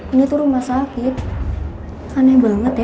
ini tuh rumah sakit aneh banget ya